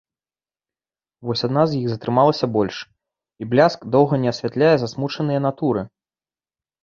Вось адна з іх затрымалася больш, і бляск доўга не асвятляе засмучанае натуры.